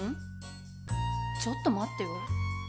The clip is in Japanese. ちょっと待ってよ。